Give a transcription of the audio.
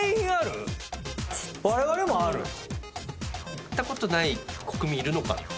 行った事ない国民いるのかって。